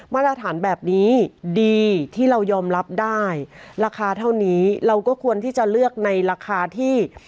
มาตรฐานแบบนี้ดีที่เรายอมรับได้ราคาเท่านี้เราก็ควรที่จะเลือกในราคาที่